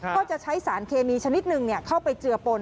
ก็จะใช้สารเคมีชนิดหนึ่งเข้าไปเจือปน